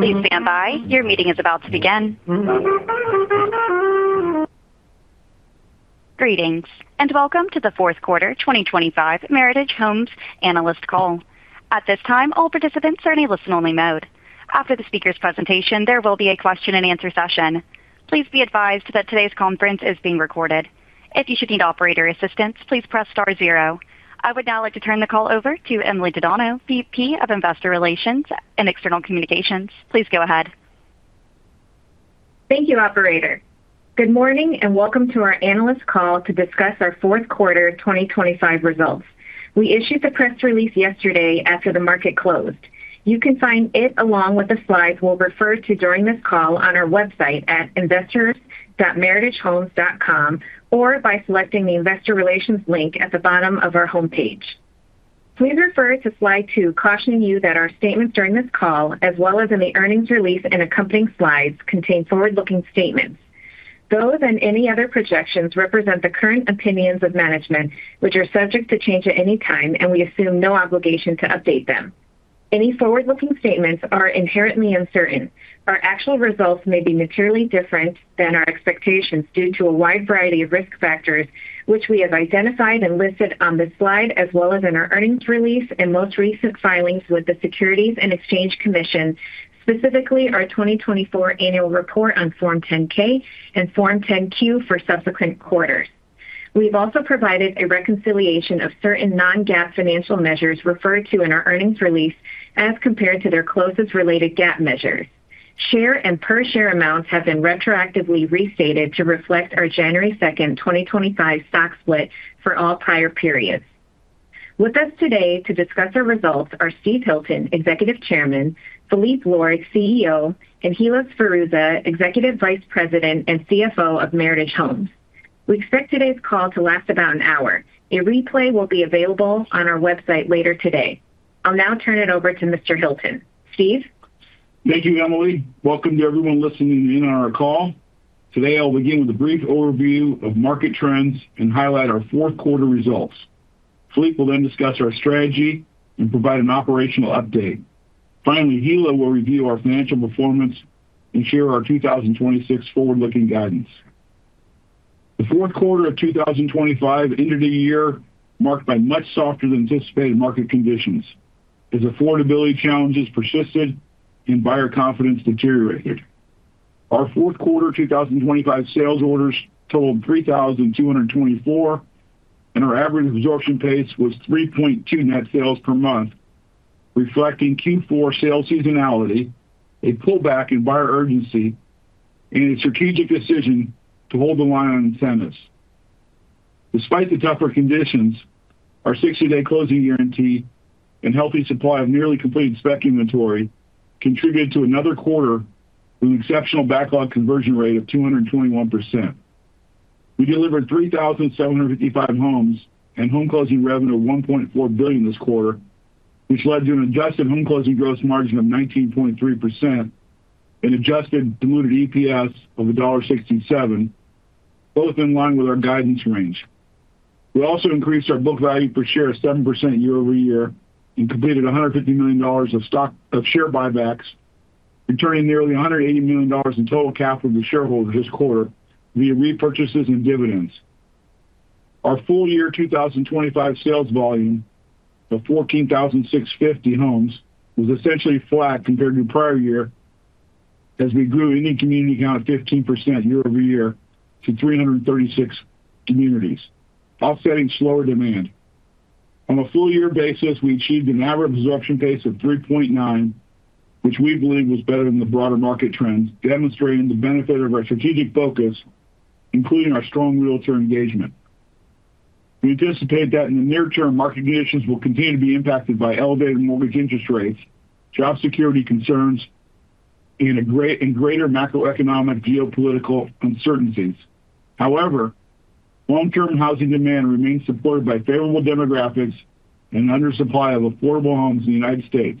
Please stand by. Your meeting is about to begin. Mm-hmm. Greetings and welcome to the fourth quarter 2025 Meritage Homes Analyst Call. At this time, all participants are in a listen-only mode. After the speaker's presentation, there will be a question-and-answer session. Please be advised that today's conference is being recorded. If you should need operator assistance, please press star zero. I would now like to turn the call over to Emily Tadano, VP of Investor Relations and External Communications. Please go ahead. Thank you, Operator. Good morning and welcome to our analyst call to discuss our fourth quarter 2025 results. We issued the press release yesterday after the market closed. You can find it along with the slides we'll refer to during this call on our website at investors.meritagehomes.com or by selecting the Investor Relations link at the bottom of our homepage. Please refer to slide 2 cautioning you that our statements during this call, as well as in the earnings release and accompanying slides, contain forward-looking statements. Those and any other projections represent the current opinions of management, which are subject to change at any time, and we assume no obligation to update them. Any forward-looking statements are inherently uncertain. Our actual results may be materially different than our expectations due to a wide variety of risk factors, which we have identified and listed on this slide as well as in our earnings release and most recent filings with the Securities and Exchange Commission, specifically our 2024 annual report on Form 10-K and Form 10-Q for subsequent quarters. We've also provided a reconciliation of certain non-GAAP financial measures referred to in our earnings release as compared to their closest related GAAP measures. Share and per-share amounts have been retroactively restated to reflect our January 2nd, 2025 stock split for all prior periods. With us today to discuss our results are Steve Hilton, Executive Chairman, Phillippe Lord, CEO, and Hilla Sferruzza, Executive Vice President and CFO of Meritage Homes. We expect today's call to last about an hour. A replay will be available on our website later today. I'll now turn it over to Mr. Hilton. Steve? Thank you, Emily. Welcome to everyone listening in on our call. Today, I'll begin with a brief overview of market trends and highlight our fourth quarter results. Phillippe will then discuss our strategy and provide an operational update. Finally, Hilla will review our financial performance and share our 2026 forward-looking guidance. The fourth quarter of 2025 ended a year marked by much softer than anticipated market conditions as affordability challenges persisted and buyer confidence deteriorated. Our fourth quarter 2025 sales orders totaled 3,224, and our average absorption pace was 3.2 net sales per month, reflecting Q4 sales seasonality, a pullback in buyer urgency, and a strategic decision to hold the line on incentives. Despite the tougher conditions, our 60-day closing guarantee and healthy supply of nearly completed spec inventory contributed to another quarter with an exceptional backlog conversion rate of 221%. We delivered 3,755 homes and home closing revenue of $1.4 billion this quarter, which led to an adjusted home closing gross margin of 19.3% and adjusted diluted EPS of $1.67, both in line with our guidance range. We also increased our book value per share of 7% year-over-year and completed $150 million of share buybacks, returning nearly $180 million in total capital to shareholders this quarter via repurchases and dividends. Our full year 2025 sales volume of 14,650 homes was essentially flat compared to the prior year as we grew increased community count of 15% year-over-year to 336 communities, offsetting slower demand. On a full year basis, we achieved an average absorption pace of 3.9, which we believe was better than the broader market trends, demonstrating the benefit of our strategic focus, including our strong realtor engagement. We anticipate that in the near term, market conditions will continue to be impacted by elevated mortgage interest rates, job security concerns, and greater macroeconomic geopolitical uncertainties. However, long-term housing demand remains supported by favorable demographics and an undersupply of affordable homes in the United States.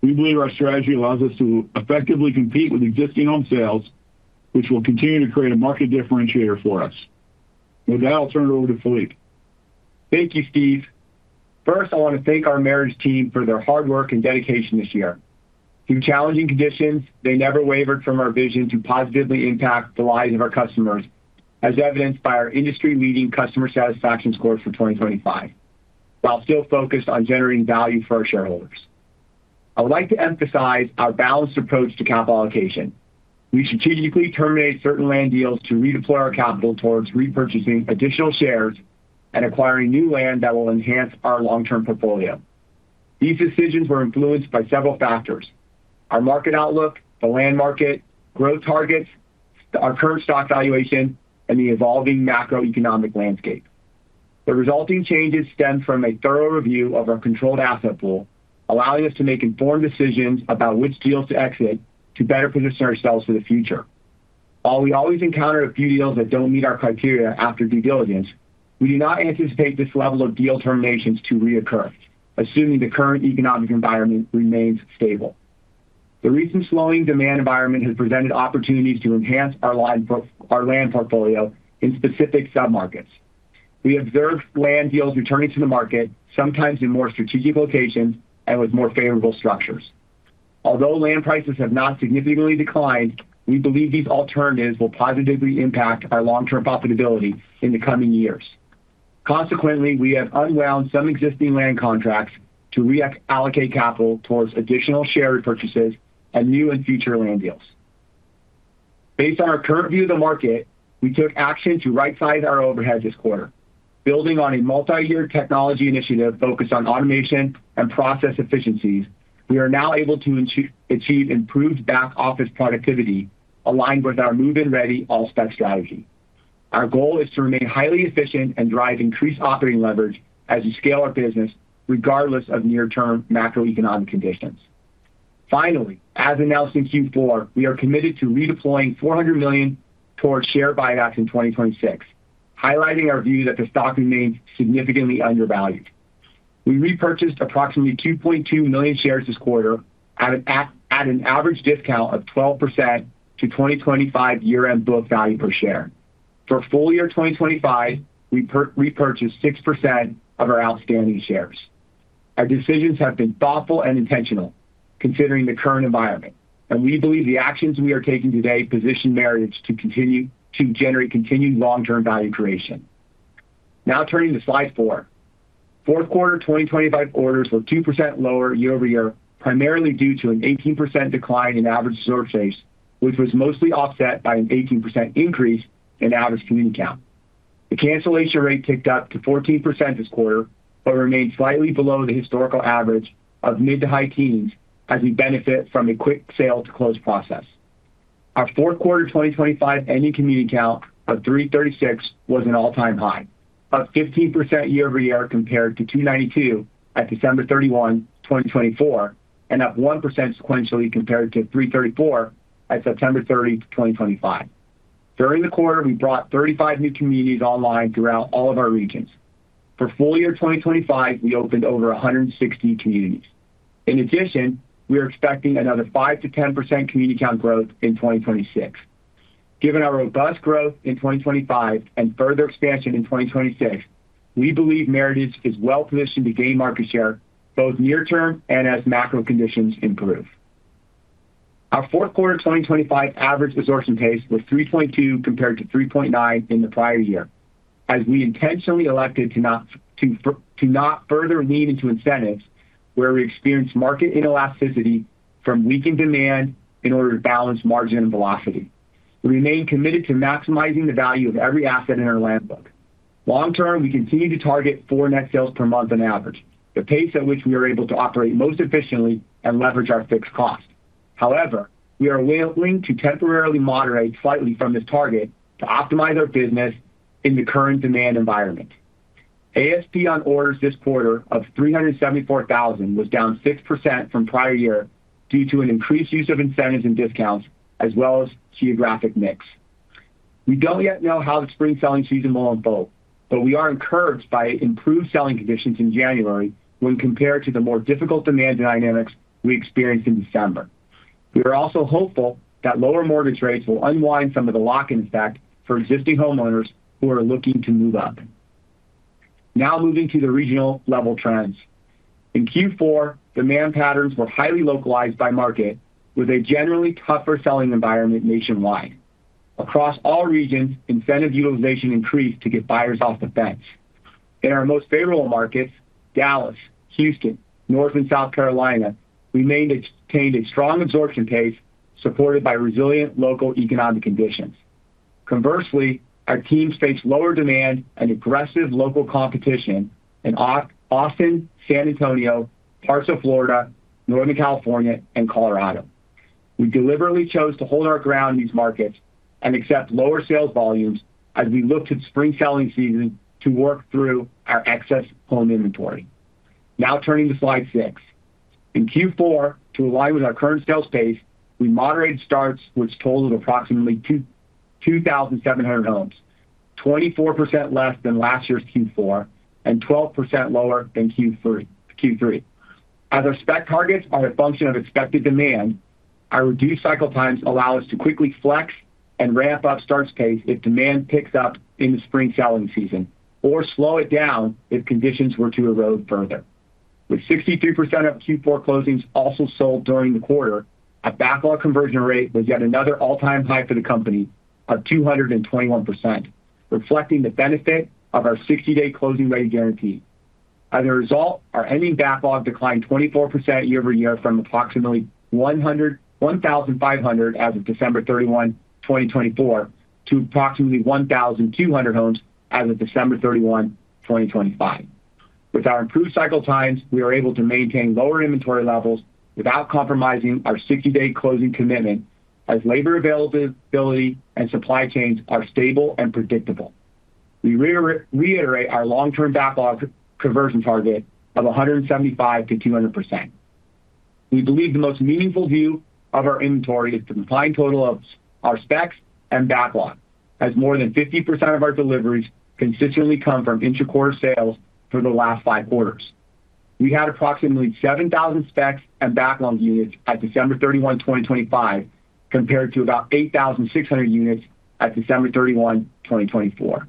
We believe our strategy allows us to effectively compete with existing home sales, which will continue to create a market differentiator for us. With that, I'll turn it over to Philippe. Thank you, Steve. First, I want to thank our Meritage team for their hard work and dedication this year. Through challenging conditions, they never wavered from our vision to positively impact the lives of our customers, as evidenced by our industry-leading customer satisfaction scores for 2025, while still focused on generating value for our shareholders. I would like to emphasize our balanced approach to capital allocation. We strategically terminated certain land deals to redeploy our capital towards repurchasing additional shares and acquiring new land that will enhance our long-term portfolio. These decisions were influenced by several factors: our market outlook, the land market, growth targets, our current stock valuation, and the evolving macroeconomic landscape. The resulting changes stem from a thorough review of our controlled asset pool, allowing us to make informed decisions about which deals to exit to better position ourselves for the future. While we always encounter a few deals that don't meet our criteria after due diligence, we do not anticipate this level of deal terminations to reoccur, assuming the current economic environment remains stable. The recent slowing demand environment has presented opportunities to enhance our land portfolio in specific sub-markets. We observe land deals returning to the market, sometimes in more strategic locations and with more favorable structures. Although land prices have not significantly declined, we believe these alternatives will positively impact our long-term profitability in the coming years. Consequently, we have unwound some existing land contracts to reallocate capital towards additional share repurchases and new and future land deals. Based on our current view of the market, we took action to right-size our overhead this quarter. Building on a multi-year technology initiative focused on automation and process efficiencies, we are now able to achieve improved back-office productivity aligned with our move-in ready all-spec strategy. Our goal is to remain highly efficient and drive increased operating leverage as we scale our business regardless of near-term macroeconomic conditions. Finally, as announced in Q4, we are committed to redeploying $400 million towards share buybacks in 2026, highlighting our view that the stock remains significantly undervalued. We repurchased approximately 2.2 million shares this quarter at an average discount of 12% to 2025 year-end book value per share. For full year 2025, we repurchased 6% of our outstanding shares. Our decisions have been thoughtful and intentional, considering the current environment, and we believe the actions we are taking today position Meritage to generate continued long-term value creation. Now turning to slide four, fourth quarter 2025 orders were 2% lower year-over-year, primarily due to an 18% decline in average absorption rates, which was mostly offset by an 18% increase in average community count. The cancellation rate ticked up to 14% this quarter, but remained slightly below the historical average of mid to high teens as we benefit from a quick sale-to-close process. Our fourth quarter 2025 ending community count of 336 was an all-time high, up 15% year-over-year compared to 292 at December 31, 2024, and up 1% sequentially compared to 334 at September 30, 2025. During the quarter, we brought 35 new communities online throughout all of our regions. For full year 2025, we opened over 160 communities. In addition, we are expecting another 5% to 10% community count growth in 2026. Given our robust growth in 2025 and further expansion in 2026, we believe Meritage is well positioned to gain market share both near-term and as macro conditions improve. Our fourth quarter 2025 average absorption pace was 3.2 compared to 3.9 in the prior year, as we intentionally elected to not further lean into incentives where we experienced market inelasticity from weakened demand in order to balance margin and velocity. We remain committed to maximizing the value of every asset in our land bank. Long-term, we continue to target four net sales per month on average, the pace at which we are able to operate most efficiently and leverage our fixed cost. However, we are willing to temporarily moderate slightly from this target to optimize our business in the current demand environment. ASP on orders this quarter of $374,000 was down 6% from prior year due to an increased use of incentives and discounts, as well as geographic mix. We don't yet know how the spring selling season will unfold, but we are encouraged by improved selling conditions in January when compared to the more difficult demand dynamics we experienced in December. We are also hopeful that lower mortgage rates will unwind some of the lock-in effect for existing homeowners who are looking to move up. Now moving to the regional level trends. In Q4, demand patterns were highly localized by market, with a generally tougher selling environment nationwide. Across all regions, incentive utilization increased to get buyers off the fence. In our most favorable markets, Dallas, Houston, North and South Carolina, we maintained a strong absorption pace supported by resilient local economic conditions. Conversely, our teams faced lower demand and aggressive local competition in Austin, San Antonio, parts of Florida, Northern California, and Colorado. We deliberately chose to hold our ground in these markets and accept lower sales volumes as we look to the spring selling season to work through our excess home inventory. Now turning to slide 6. In Q4, to align with our current sales pace, we moderated starts, which totaled approximately 2,700 homes, 24% less than last year's Q4 and 12% lower than Q3. As our spec targets are a function of expected demand, our reduced cycle times allow us to quickly flex and ramp up starts pace if demand picks up in the spring selling season or slow it down if conditions were to erode further. With 63% of Q4 closings also sold during the quarter, our backlog conversion rate was yet another all-time high for the company of 221%, reflecting the benefit of our 60-day closing rate guarantee. As a result, our ending backlog declined 24% year-over-year from approximately 1,500 as of December 31, 2024, to approximately 1,200 homes as of December 31, 2025. With our improved cycle times, we are able to maintain lower inventory levels without compromising our 60-day closing commitment as labor availability and supply chains are stable and predictable. We reiterate our long-term backlog conversion target of 175% to 200%. We believe the most meaningful view of our inventory is the combined total of our specs and backlog, as more than 50% of our deliveries consistently come from intra-quarter sales for the last five quarters. We had approximately 7,000 specs and backlog units at December 31, 2025, compared to about 8,600 units at December 31, 2024.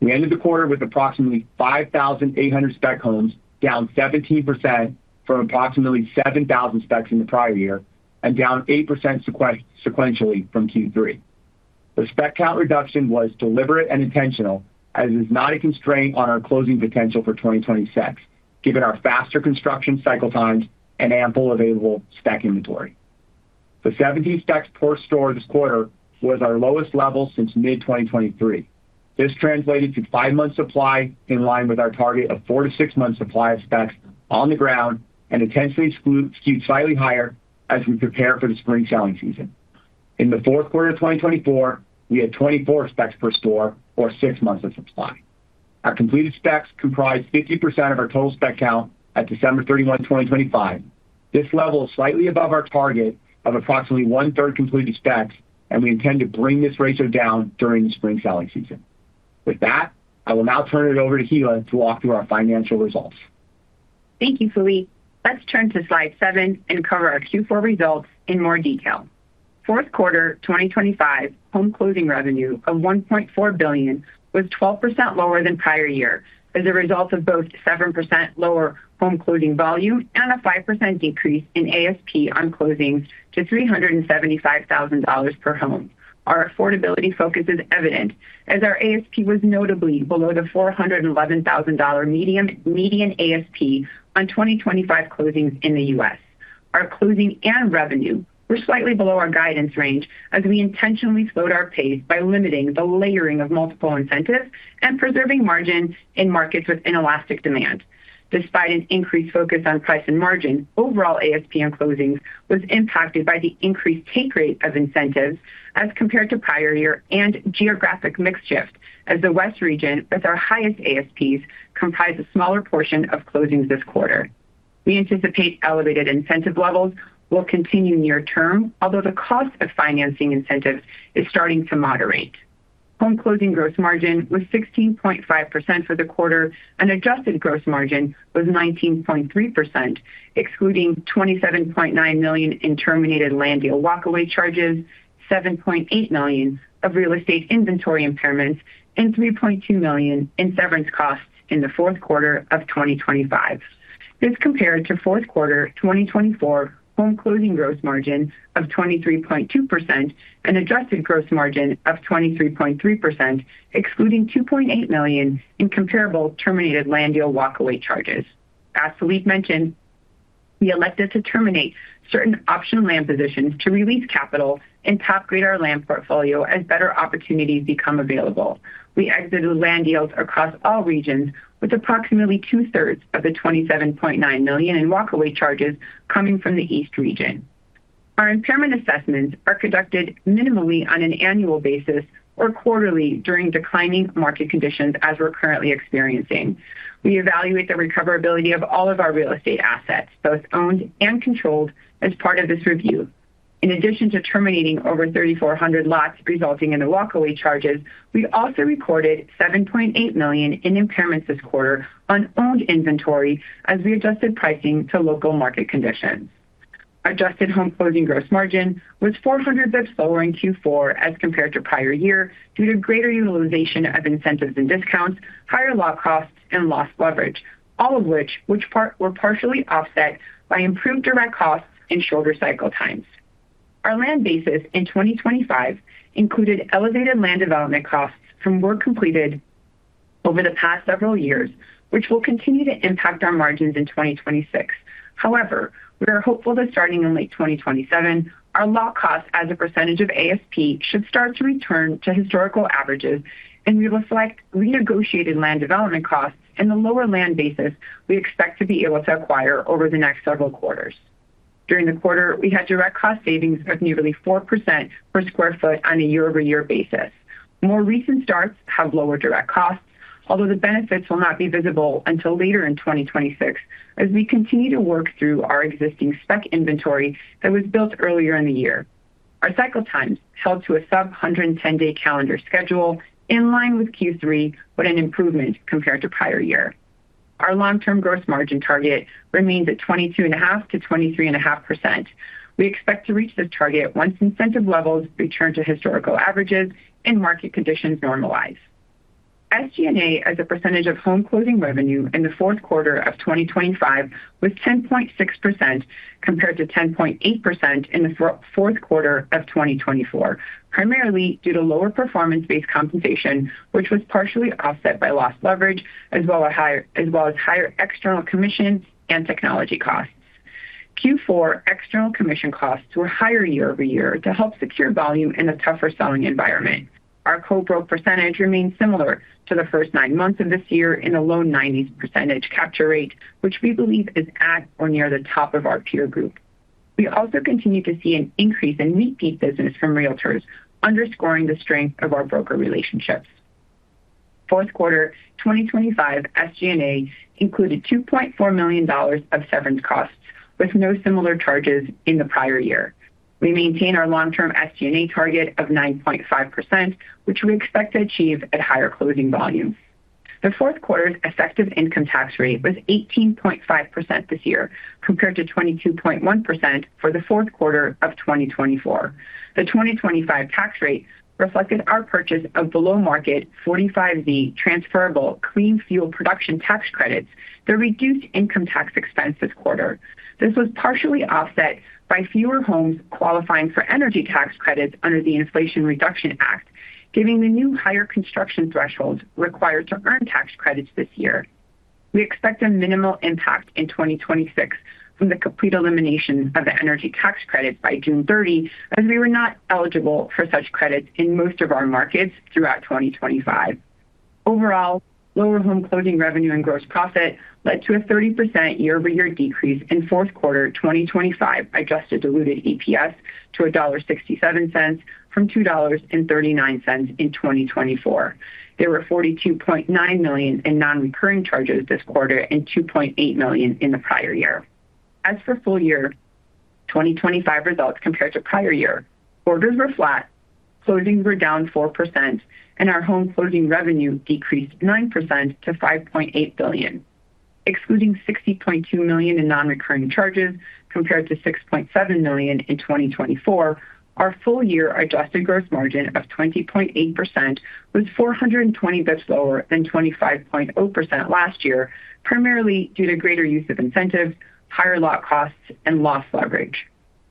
We ended the quarter with approximately 5,800 spec homes, down 17% from approximately 7,000 specs in the prior year and down 8% sequentially from Q3. The spec count reduction was deliberate and intentional, as it is not a constraint on our closing potential for 2026, given our faster construction cycle times and ample available spec inventory. The 17 specs per store this quarter was our lowest level since mid-2023. This translated to 5-month supply in line with our target of 4-6-month supply of specs on the ground and potentially skewed slightly higher as we prepare for the spring selling season. In the fourth quarter of 2024, we had 24 specs per store, or 6 months of supply. Our completed specs comprised 50% of our total spec count at December 31, 2025. This level is slightly above our target of approximately one-third completed specs, and we intend to bring this ratio down during the spring selling season. With that, I will now turn it over to Hilla to walk through our financial results. Thank you, Phillippe. Let's turn to slide seven and cover our Q4 results in more detail. Fourth quarter 2025 home closing revenue of $1.4 billion was 12% lower than prior year as a result of both 7% lower home closing volume and a 5% decrease in ASP on closings to $375,000 per home. Our affordability focus is evident, as our ASP was notably below the $411,000 median ASP on 2025 closings in the U.S. Our closing and revenue were slightly below our guidance range as we intentionally slowed our pace by limiting the layering of multiple incentives and preserving margin in markets with inelastic demand. Despite an increased focus on price and margin, overall ASP on closings was impacted by the increased take rate of incentives as compared to prior year and geographic mix shift, as the West Region, with our highest ASPs, comprised a smaller portion of closings this quarter. We anticipate elevated incentive levels will continue near term, although the cost of financing incentives is starting to moderate. Home closing gross margin was 16.5% for the quarter, and adjusted gross margin was 19.3%, excluding $27.9 million in terminated land deal walkaway charges, $7.8 million of real estate inventory impairments, and $3.2 million in severance costs in the fourth quarter of 2025. This compared to fourth quarter 2024 home closing gross margin of 23.2% and adjusted gross margin of 23.3%, excluding $2.8 million in comparable terminated land deal walkaway charges. As Philippe mentioned, we elected to terminate certain optional land positions to release capital and top grade our land portfolio as better opportunities become available. We exited land deals across all regions with approximately two-thirds of the $27.9 million in walkaway charges coming from the East Region. Our impairment assessments are conducted minimally on an annual basis or quarterly during declining market conditions as we're currently experiencing. We evaluate the recoverability of all of our real estate assets, both owned and controlled, as part of this review. In addition to terminating over 3,400 lots resulting in the walkaway charges, we also recorded $7.8 million in impairments this quarter on owned inventory as we adjusted pricing to local market conditions. Adjusted home closing gross margin was 0.04 lower in Q4 as compared to prior year due to greater utilization of incentives and discounts, higher lock costs, and lost leverage, all of which were partially offset by improved direct costs and shorter cycle times. Our land basis in 2025 included elevated land development costs from work completed over the past several years, which will continue to impact our margins in 2026. However, we are hopeful that starting in late 2027, our lock costs as a percentage of ASP should start to return to historical averages, and we will select renegotiated land development costs and the lower land basis we expect to be able to acquire over the next several quarters. During the quarter, we had direct cost savings of nearly 4% per sq ft on a year-over-year basis. More recent starts have lower direct costs, although the benefits will not be visible until later in 2026 as we continue to work through our existing spec inventory that was built earlier in the year. Our cycle times held to a sub-110-day calendar schedule in line with Q3, but an improvement compared to prior year. Our long-term gross margin target remains at 22.5%-23.5%. We expect to reach this target once incentive levels return to historical averages and market conditions normalize. SG&A as a percentage of home closing revenue in the fourth quarter of 2025 was 10.6% compared to 10.8% in the fourth quarter of 2024, primarily due to lower performance-based compensation, which was partially offset by lost leverage, as well as higher external commission and technology costs. Q4 external commission costs were higher year-over-year to help secure volume in a tougher selling environment. Our co-broke percentage remains similar to the first nine months of this year in a low 90s% capture rate, which we believe is at or near the top of our peer group. We also continue to see an increase in repeat business from realtors, underscoring the strength of our broker relationships. Fourth quarter 2025 SG&A included $2.4 million of severance costs with no similar charges in the prior year. We maintain our long-term SG&A target of 9.5%, which we expect to achieve at higher closing volume. The fourth quarter's effective income tax rate was 18.5% this year compared to 22.1% for the fourth quarter of 2024. The 2025 tax rate reflected our purchase of below-market 45Z transferable clean fuel production tax credits that reduced income tax expense this quarter. This was partially offset by fewer homes qualifying for energy tax credits under the Inflation Reduction Act, giving the new higher construction thresholds required to earn tax credits this year. We expect a minimal impact in 2026 from the complete elimination of the energy tax credits by June 30, as we were not eligible for such credits in most of our markets throughout 2025. Overall, lower home closing revenue and gross profit led to a 30% year-over-year decrease in fourth quarter 2025 adjusted diluted EPS to $1.67 from $2.39 in 2024. There were $42.9 million in non-recurring charges this quarter and $2.8 million in the prior year. As for full year 2025 results compared to prior year, orders were flat, closings were down 4%, and our home closing revenue decreased 9% to $5.8 billion. Excluding $60.2 million in non-recurring charges compared to $6.7 million in 2024, our full year adjusted gross margin of 20.8% was 420 basis points lower than 25.0% last year, primarily due to greater use of incentives, higher lot costs, and lost leverage.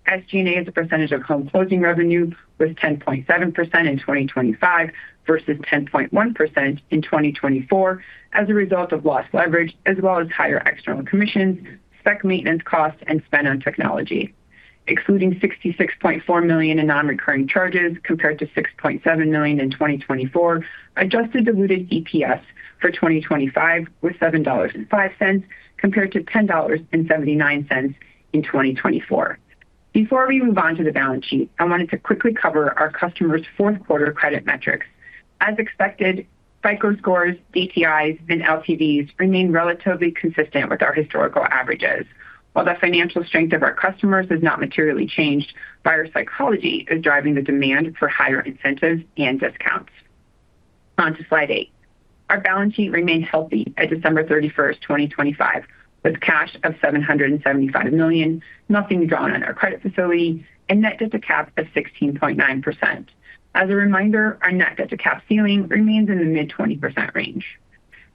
SG&A as a percentage of home closing revenue was 10.7% in 2025 versus 10.1% in 2024 as a result of lost leverage, as well as higher external commissions, spec maintenance costs, and spend on technology. Excluding $66.4 million in non-recurring charges compared to $6.7 million in 2024, adjusted diluted EPS for 2025 was $7.05 compared to $10.79 in 2024. Before we move on to the balance sheet, I wanted to quickly cover our customers' fourth quarter credit metrics. As expected, FICO scores, DTIs, and LTVs remain relatively consistent with our historical averages. While the financial strength of our customers has not materially changed, buyer psychology is driving the demand for higher incentives and discounts. On to Slide 8. Our balance sheet remained healthy at December 31, 2025, with cash of $775 million, nothing drawn on our credit facility, and net debt to cap of 16.9%. As a reminder, our net debt to cap ceiling remains in the mid-20% range.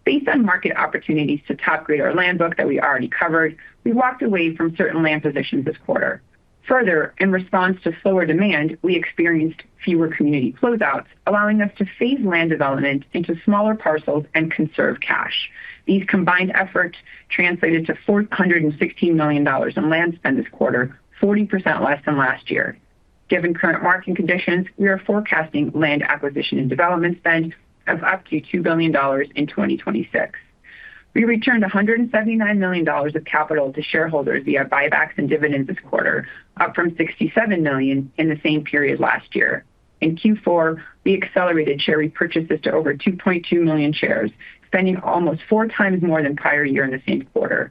Based on market opportunities to top grade our land book that we already covered, we walked away from certain land positions this quarter. Further, in response to slower demand, we experienced fewer community closeouts, allowing us to phase land development into smaller parcels and conserve cash. These combined efforts translated to $416 million in land spend this quarter, 40% less than last year. Given current market conditions, we are forecasting land acquisition and development spend of up to $2 billion in 2026. We returned $179 million of capital to shareholders via buybacks and dividends this quarter, up from $67 million in the same period last year. In Q4, we accelerated share repurchases to over 2.2 million shares, spending almost four times more than prior year in the same quarter.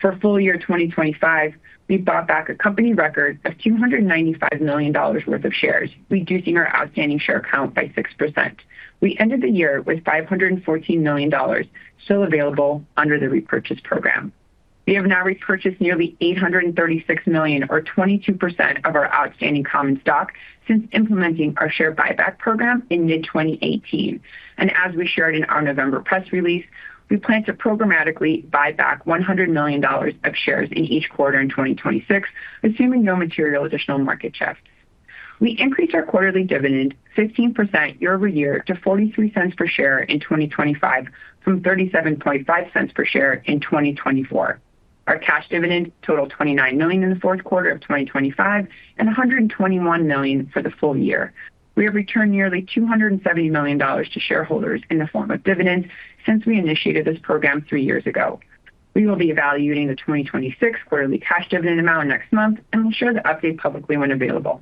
For full year 2025, we bought back a company record of $295 million worth of shares, reducing our outstanding share count by 6%. We ended the year with $514 million still available under the repurchase program. We have now repurchased nearly $836 million, or 22% of our outstanding common stock, since implementing our share buyback program in mid-2018. As we shared in our November press release, we plan to programmatically buy back $100 million of shares in each quarter in 2026, assuming no material additional market shifts. We increased our quarterly dividend 15% year-over-year to $0.43 per share in 2025 from $0.375 per share in 2024. Our cash dividend totaled $29 million in the fourth quarter of 2025 and $121 million for the full year. We have returned nearly $270 million to shareholders in the form of dividends since we initiated this program three years ago. We will be evaluating the 2026 quarterly cash dividend amount next month and will share the update publicly when available.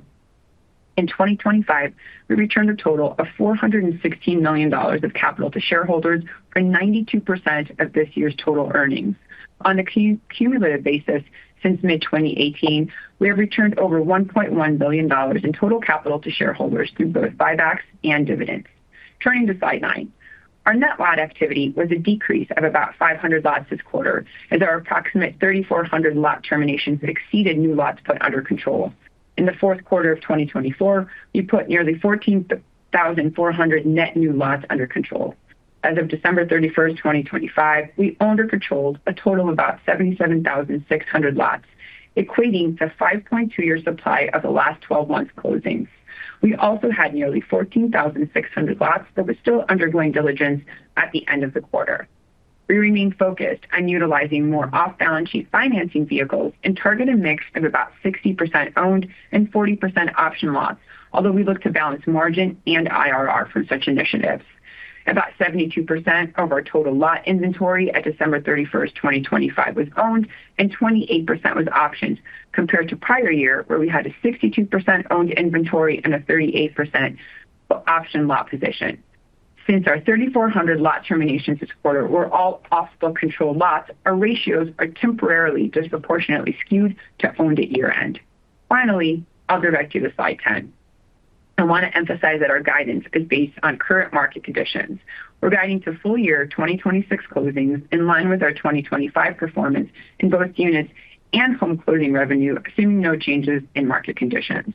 In 2025, we returned a total of $416 million of capital to shareholders for 92% of this year's total earnings. On a cumulative basis, since mid-2018, we have returned over $1.1 billion in total capital to shareholders through both buybacks and dividends. Turning to slide nine, our net lot activity was a decrease of about 500 lots this quarter, as our approximate 3,400 lot terminations exceeded new lots put under control. In the fourth quarter of 2024, we put nearly 14,400 net new lots under control. As of December 31, 2025, we owned or controlled a total of about 77,600 lots, equating to 5.2-year supply of the last 12 months' closings. We also had nearly 14,600 lots that were still undergoing diligence at the end of the quarter. We remain focused on utilizing more off-balance sheet financing vehicles and target a mix of about 60% owned and 40% option lots, although we look to balance margin and IRR from such initiatives. About 72% of our total lot inventory at December 31, 2025, was owned, and 28% was options compared to prior year, where we had a 62% owned inventory and a 38% option lot position. Since our 3,400 lot terminations this quarter were all off-book control lots, our ratios are temporarily disproportionately skewed to owned at year-end. Finally, I'll direct you to slide 10. I want to emphasize that our guidance is based on current market conditions. We're guiding to full year 2026 closings in line with our 2025 performance in both units and home closing revenue, assuming no changes in market conditions.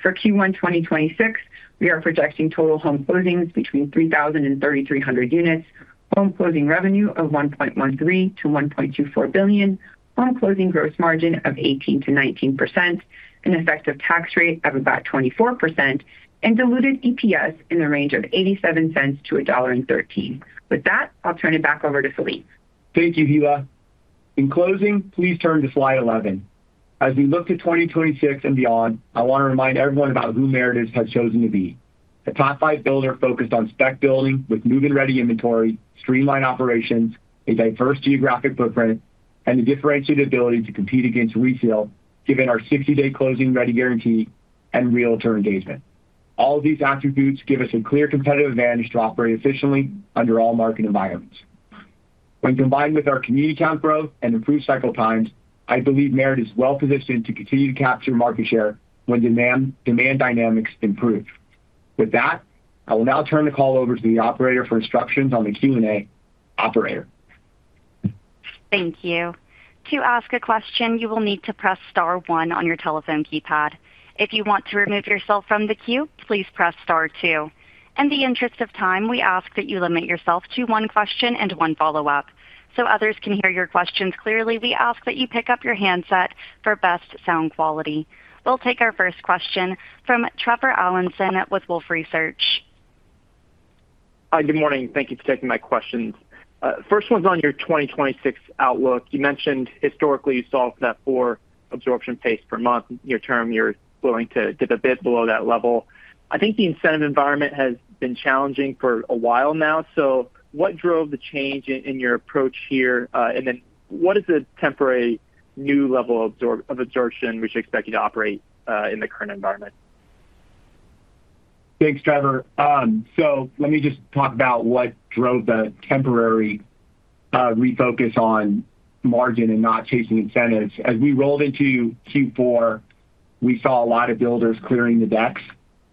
For Q1 2026, we are projecting total home closings between 3,000 and 3,300 units, home closing revenue of $1.13 billion to $1.24 billion, home closing gross margin of 18% to 19%, an effective tax rate of about 24%, and diluted EPS in the range of $0.87 to $1.13. With that, I'll turn it back over to Phillippe. Thank you, Hilla. In closing, please turn to slide 11. As we look to 2026 and beyond, I want to remind everyone about who Meritage has chosen to be. The top five builders focused on spec building with move-in ready inventory, streamlined operations, a diverse geographic footprint, and the differentiated ability to compete against retail, given our 60-day closing ready guarantee and realtor engagement. All of these attributes give us a clear competitive advantage to operate efficiently under all market environments. When combined with our community count growth and improved cycle times, I believe Meritage is well positioned to continue to capture market share when demand dynamics improve. With that, I will now turn the call over to the operator for instructions on the Q&A. Operator. Thank you. To ask a question, you will need to press star one on your telephone keypad. If you want to remove yourself from the queue, please press star two. In the interest of time, we ask that you limit yourself to one question and one follow-up. So others can hear your questions clearly, we ask that you pick up your handset for best sound quality. We'll take our first question from Trevor Allinson with Wolfe Research. Hi, good morning. Thank you for taking my questions. First one's on your 2026 outlook. You mentioned historically you solved that for absorption pace per month. Near term, you're willing to dip a bit below that level. I think the incentive environment has been challenging for a while now. So what drove the change in your approach here? And then what is the temporary new level of absorption we should expect you to operate in the current environment? Thanks, Trevor. So let me just talk about what drove the temporary refocus on margin and not chasing incentives. As we rolled into Q4, we saw a lot of builders clearing the decks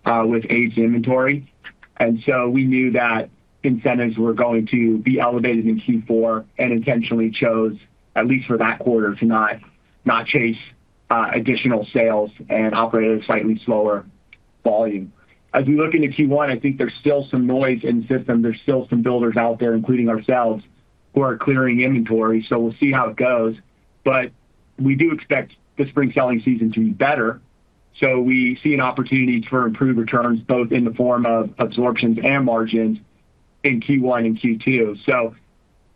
with aged inventory. And so we knew that incentives were going to be elevated in Q4 and intentionally chose, at least for that quarter, to not chase additional sales and operate at a slightly slower volume. As we look into Q1, I think there's still some noise in the system. There's still some builders out there, including ourselves, who are clearing inventory. So we'll see how it goes. But we do expect the spring selling season to be better. So we see an opportunity for improved returns, both in the form of absorptions and margins in Q1 and Q2. So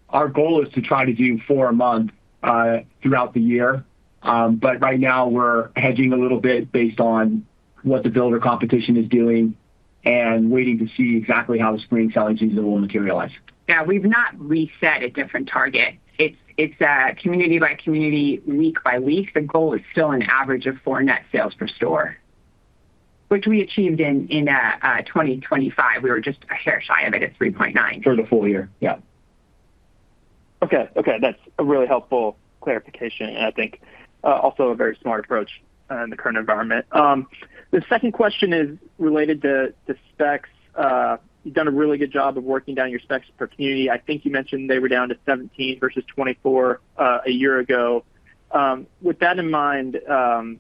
our goal is to try to do four a month throughout the year. But right now, we're hedging a little bit based on what the builder competition is doing and waiting to see exactly how the spring selling season will materialize. Yeah, we've not reset a different target. It's community by community, week by week. The goal is still an average of 4 net sales per store, which we achieved in 2025. We were just a hair shy of it at 3.9. For the full year, yeah. Okay, okay. That's a really helpful clarification. And I think also a very smart approach in the current environment. The second question is related to specs. You've done a really good job of working down your specs per community. I think you mentioned they were down to 17 versus 24 a year ago. With that in mind, do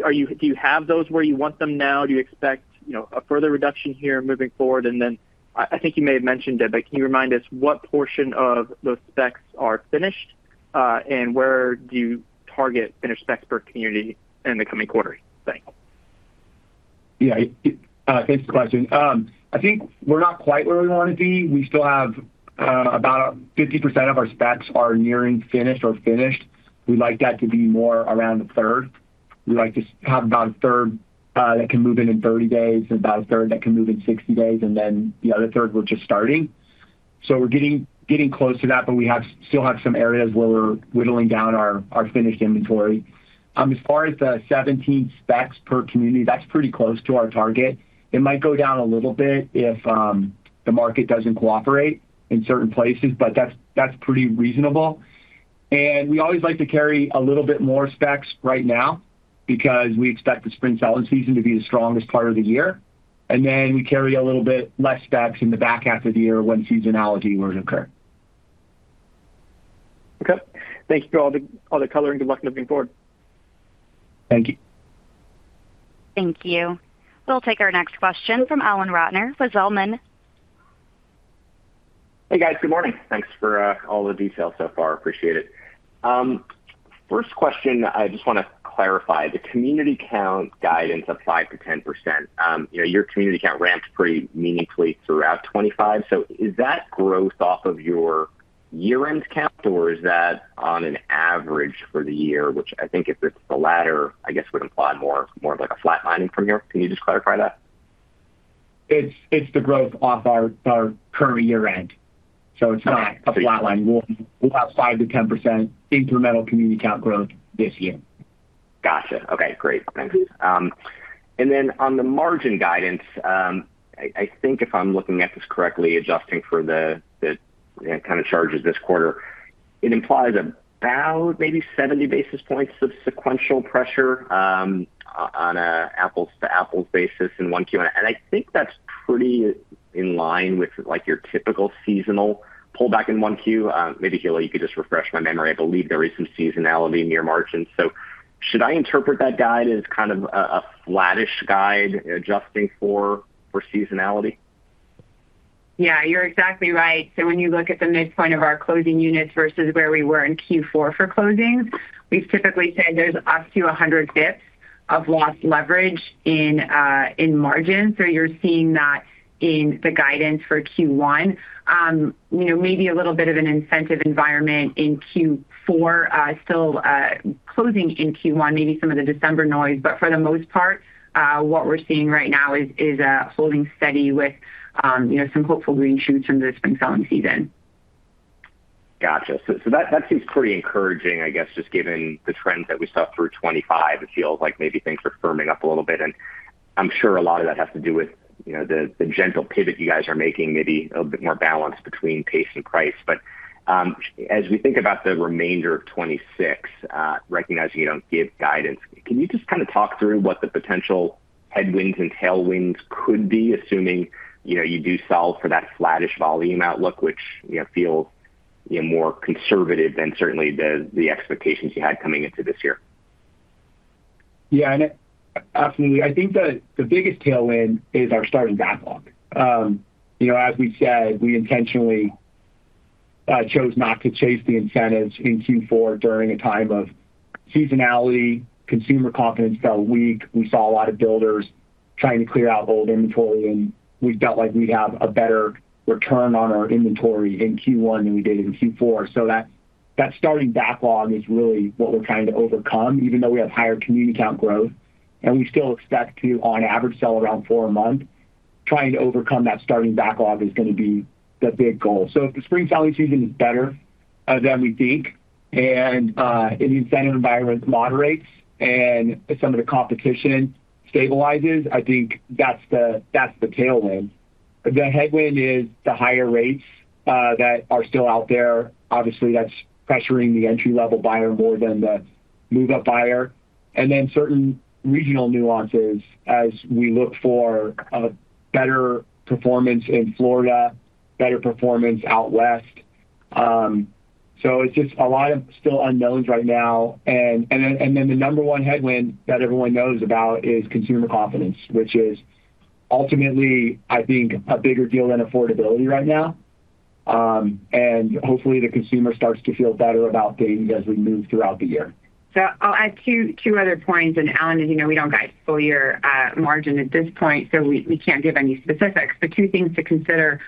you have those where you want them now? Do you expect a further reduction here moving forward? And then I think you may have mentioned it, but can you remind us what portion of those specs are finished and where do you target finished specs per community in the coming quarter? Thanks. Yeah, thanks for the question. I think we're not quite where we want to be. We still have about 50% of our specs are nearing finished or finished. We'd like that to be more around the third. We'd like to have about a third that can move in in 30 days and about a third that can move in 60 days. And then the other third, we're just starting. So we're getting close to that, but we still have some areas where we're whittling down our finished inventory. As far as the 17 specs per community, that's pretty close to our target. It might go down a little bit if the market doesn't cooperate in certain places, but that's pretty reasonable. And we always like to carry a little bit more specs right now because we expect the spring selling season to be the strongest part of the year. And then we carry a little bit less specs in the back half of the year when seasonality were to occur. Okay. Thank you for all the color and good luck moving forward. Thank you. Thank you. We'll take our next question from Alan Ratner with Zelman. Hey, guys. Good morning. Thanks for all the details so far. Appreciate it. First question, I just want to clarify the community count guidance of 5% to 10%. Your community count ramped pretty meaningfully throughout 2025. So is that growth off of your year-end count, or is that on an average for the year, which I think if it's the latter, I guess would imply more of like a flatlining from here? Can you just clarify that? It's the growth off our current year-end. So it's not a flatline. We'll have 5% to 10% incremental community count growth this year. Gotcha. Okay, great. Thanks. Then on the margin guidance, I think if I'm looking at this correctly, adjusting for the kind of charges this quarter, it implies about maybe 70 basis points of sequential pressure on an apples-to-apples basis in Q1. And I think that's pretty in line with your typical seasonal pullback in Q1. Maybe, Hilla, you could just refresh my memory. I believe there is some seasonality in margin. So should I interpret that guide as kind of a flattish guide adjusting for seasonality? Yeah, you're exactly right. So when you look at the midpoint of our closing units versus where we were in Q4 for closings, we've typically said there's up to 100 basis points of lost leverage in margin. So you're seeing that in the guidance for Q1. Maybe a little bit of an incentive environment in Q4, still closing in Q1, maybe some of the December noise. But for the most part, what we're seeing right now is holding steady with some hopeful green shoots from the spring selling season. Gotcha. So that seems pretty encouraging, I guess, just given the trends that we saw through 2025. It feels like maybe things are firming up a little bit. And I'm sure a lot of that has to do with the gentle pivot you guys are making, maybe a little bit more balance between pace and price. But as we think about the remainder of 2026, recognizing you don't give guidance, can you just kind of talk through what the potential headwinds and tailwinds could be, assuming you do solve for that flattish volume outlook, which feels more conservative than certainly the expectations you had coming into this year? Yeah, absolutely. I think the biggest tailwind is our starting backlog. As we said, we intentionally chose not to chase the incentives in Q4 during a time of seasonality. Consumer confidence felt weak. We saw a lot of builders trying to clear out old inventory. And we felt like we'd have a better return on our inventory in Q1 than we did in Q4. So that starting backlog is really what we're trying to overcome, even though we have higher community count growth. And we still expect to, on average, sell around four a month. Trying to overcome that starting backlog is going to be the big goal. So if the spring selling season is better than we think and in the incentive environment moderates and some of the competition stabilizes, I think that's the tailwind. The headwind is the higher rates that are still out there. Obviously, that's pressuring the entry-level buyer more than the move-up buyer. And then certain regional nuances as we look for better performance in Florida, better performance out west. So it's just a lot of still unknowns right now. And then the number one headwind that everyone knows about is consumer confidence, which is ultimately, I think, a bigger deal than affordability right now. And hopefully, the consumer starts to feel better about things as we move throughout the year. So I'll add two other points. Alan, as you know, we don't guide full-year margin at this point, so we can't give any specifics. But two things to consider.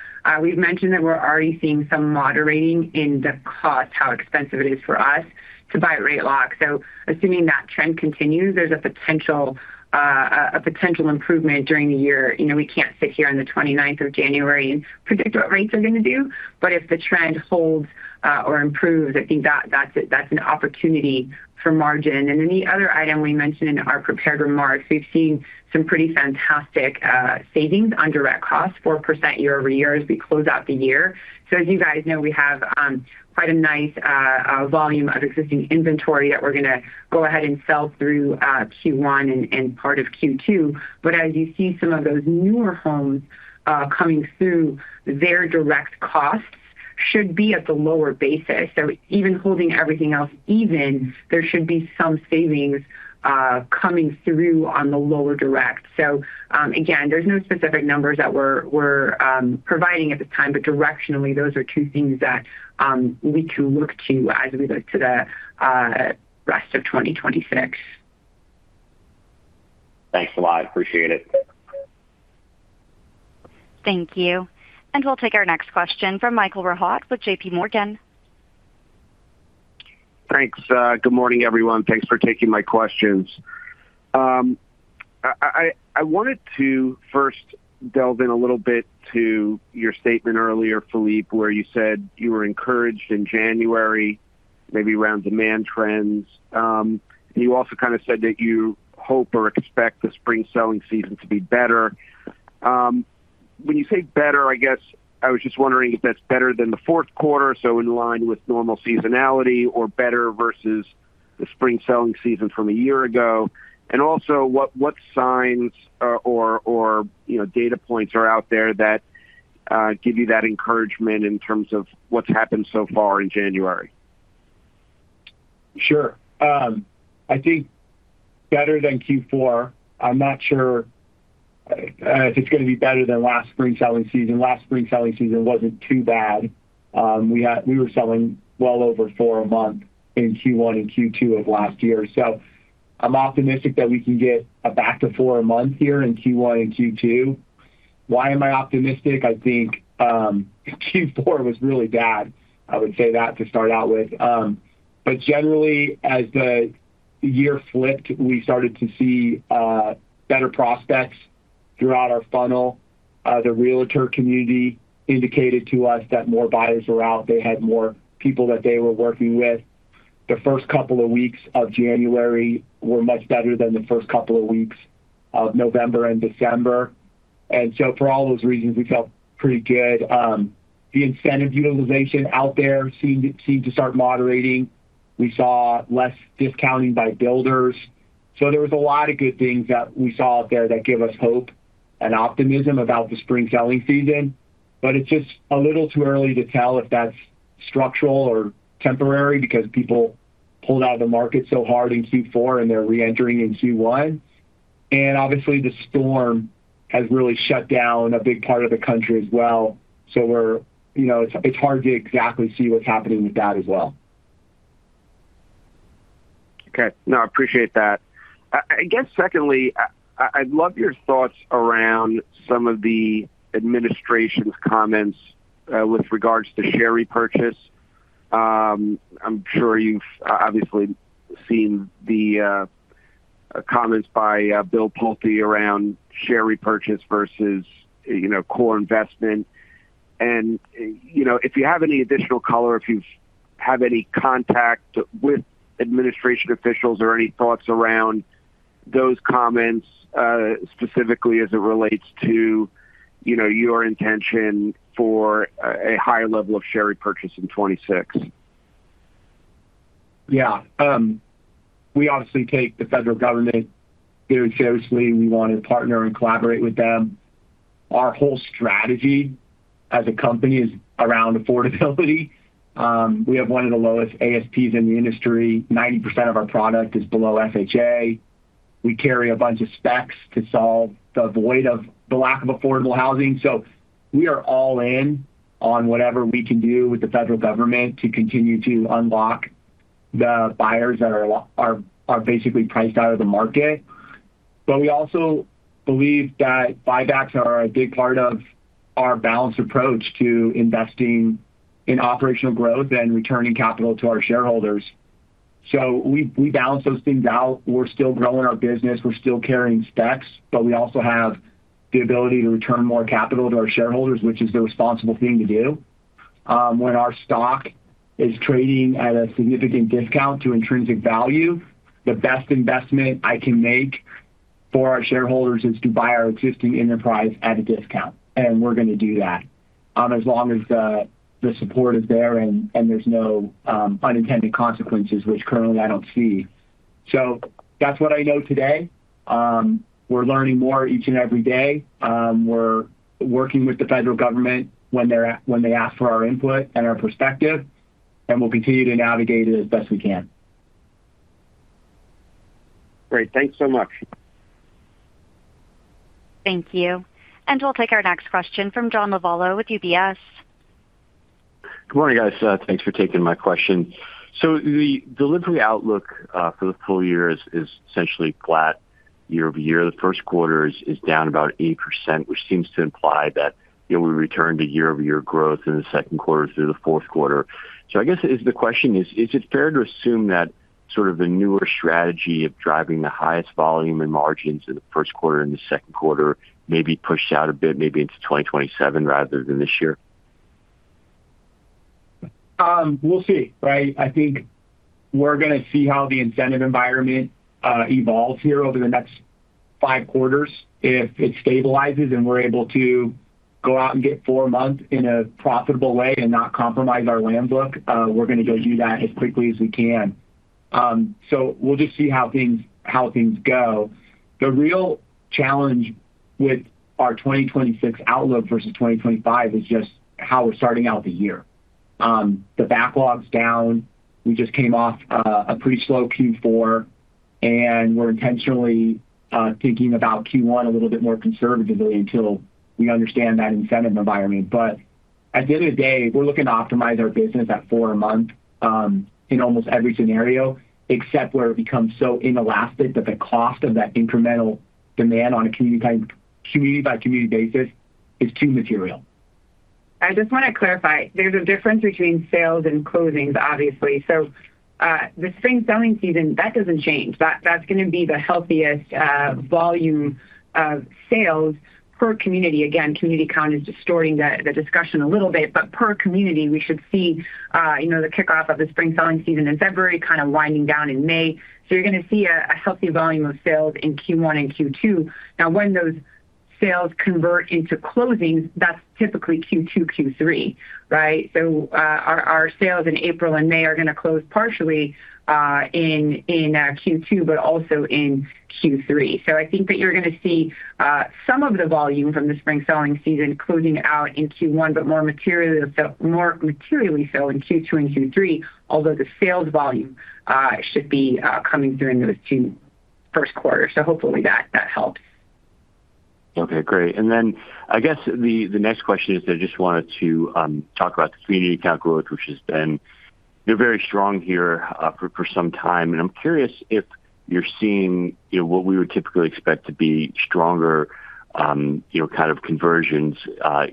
We've mentioned that we're already seeing some moderating in the cost, how expensive it is for us to buy rate locks. So assuming that trend continues, there's a potential improvement during the year. We can't sit here on the 29th of January and predict what rates are going to do. But if the trend holds or improves, I think that's an opportunity for margin. And then the other item we mentioned in our prepared remarks, we've seen some pretty fantastic savings on direct costs, 4% year-over-year as we close out the year. So as you guys know, we have quite a nice volume of existing inventory that we're going to go ahead and sell through Q1 and part of Q2. But as you see some of those newer homes coming through, their direct costs should be at the lower basis. So even holding everything else even, there should be some savings coming through on the lower direct. So again, there's no specific numbers that we're providing at this time, but directionally, those are two things that we can look to as we look to the rest of 2026. Thanks a lot. Appreciate it. Thank you. And we'll take our next question from Michael Rehaut with JPMorgan. Thanks. Good morning, everyone. Thanks for taking my questions. I wanted to first delve in a little bit to your statement earlier, Philippe, where you said you were encouraged in January, maybe around demand trends. And you also kind of said that you hope or expect the spring selling season to be better. When you say better, I guess I was just wondering if that's better than the fourth quarter, so in line with normal seasonality, or better versus the spring selling season from a year ago. And also, what signs or data points are out there that give you that encouragement in terms of what's happened so far in January? Sure. I think better than Q4397713 live Meritage Homes Q4 2025.mp3. I'm not sure if it's going to be better than last spring selling season. Last spring selling season wasn't too bad. We were selling well over 4 a month in Q1 and Q2 of last year. So I'm optimistic that we can get back to 4 a month here in Q1 and Q2. Why am I optimistic? I think Q4 was really bad. I would say that to start out with. Generally, as the year flipped, we started to see better prospects throughout our funnel. The realtor community indicated to us that more buyers were out. They had more people that they were working with. The first couple of weeks of January were much better than the first couple of weeks of November and December. So for all those reasons, we felt pretty good. The incentive utilization out there seemed to start moderating. We saw less discounting by builders. There was a lot of good things that we saw out there that give us hope and optimism about the spring selling season. But it's just a little too early to tell if that's structural or temporary because people pulled out of the market so hard in Q4 and they're reentering in Q1. Obviously, the storm has really shut down a big part of the country as well. So it's hard to exactly see what's happening with that as well. Okay. No, I appreciate that. I guess secondly, I'd love your thoughts around some of the administration's comments with regards to share repurchase. I'm sure you've obviously seen the comments by Bill Pulte around share repurchase versus core investment. And if you have any additional color, if you have any contact with administration officials or any thoughts around those comments specifically as it relates to your intention for a higher level of share repurchase in 2026? Yeah. We obviously take the federal government very seriously. We want to partner and collaborate with them. Our whole strategy as a company is around affordability. We have one of the lowest ASPs in the industry. 90% of our product is below FHA. We carry a bunch of specs to solve the lack of affordable housing. So we are all in on whatever we can do with the federal government to continue to unlock the buyers that are basically priced out of the market. But we also believe that buybacks are a big part of our balanced approach to investing in operational growth and returning capital to our shareholders. So we balance those things out. We're still growing our business. We're still carrying specs, but we also have the ability to return more capital to our shareholders, which is the responsible thing to do. When our stock is trading at a significant discount to intrinsic value, the best investment I can make for our shareholders is to buy our existing enterprise at a discount. And we're going to do that as long as the support is there and there's no unintended consequences, which currently I don't see. So that's what I know today. We're learning more each and every day. We're working with the federal government when they ask for our input and our perspective. And we'll continue to navigate it as best we can. Great. Thanks so much. Thank you. And we'll take our next question from John Lovallo with UBS. Good morning, guys. Thanks for taking my question. So the delivery outlook for the full year is essentially flat year-over-year. The first quarter is down about 8%, which seems to imply that we returned to year-over-year growth in the second quarter through the fourth quarter. So I guess the question is, is it fair to assume that sort of the newer strategy of driving the highest volume and margins in the first quarter and the second quarter may be pushed out a bit, maybe into 2027 rather than this year? We'll see, right? I think we're going to see how the incentive environment evolves here over the next five quarters. If it stabilizes and we're able to go out and get four a month in a profitable way and not compromise our land bank, we're going to go do that as quickly as we can. So we'll just see how things go. The real challenge with our 2026 outlook versus 2025 is just how we're starting out the year. The backlog's down. We just came off a pretty slow Q4, and we're intentionally thinking about Q1 a little bit more conservatively until we understand that incentive environment. But at the end of the day, we're looking to optimize our business at four a month in almost every scenario, except where it becomes so inelastic that the cost of that incremental demand on a community-by-community basis is too material. I just want to clarify. There's a difference between sales and closings, obviously. So the spring selling season, that doesn't change. That's going to be the healthiest volume of sales per community. Again, community count is distorting the discussion a little bit. But per community, we should see the kickoff of the spring selling season in February, kind of winding down in May. So you're going to see a healthy volume of sales in Q1 and Q2. Now, when those sales convert into closings, that's typically Q2, Q3, right? So our sales in April and May are going to close partially in Q2, but also in Q3. So I think that you're going to see some of the volume from the spring selling season closing out in Q1, but more materially so in Q2 and Q3, although the sales volume should be coming through in those two first quarters. So hopefully that helps. Okay, great. And then I guess the next question is I just wanted to talk about the community count growth, which has been very strong here for some time. And I'm curious if you're seeing what we would typically expect to be stronger kind of conversions